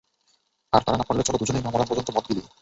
আর তা না পারলে চলো দুজনেই না মরা পর্যন্ত মদ গিলি!